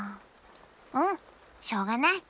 うんしょうがない。